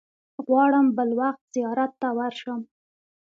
غواړم بل وخت زیارت ته ورشم.